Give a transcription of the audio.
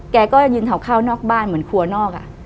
แกก็ยืนเผาข้าวนอกบ้านเหมือนครัวนอก